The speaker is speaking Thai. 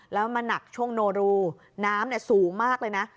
แล้วมาหนักช่วงโนรูน้ำสูงมากเลยนะ